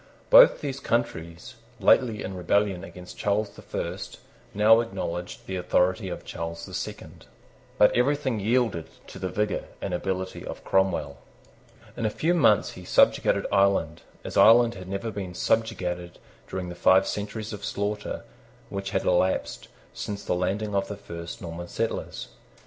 Both those countries, lately in rebellion against Charles the First, now acknowledged the authority of Charles the Second. But everything yielded to the vigour and ability of Cromwell. In a few months he subjugated Ireland, as Ireland had never been subjugated during the five centuries of slaughter which had elapsed since the landing of the first Norman settlers.